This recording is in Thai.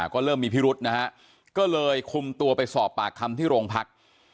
ก็เริ่มมีพิรุษนะฮะก็เลยคุมตัวไปสอบปากคำที่โรงพัก